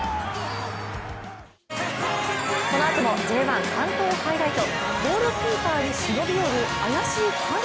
このあともＪ１関東ハイライト。